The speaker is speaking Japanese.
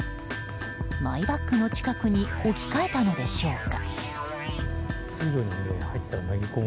マイバッグの近くに置き換えたのでしょうか。